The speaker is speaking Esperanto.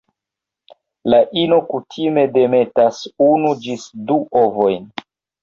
La ino kutime demetas unu ĝis du ovojn.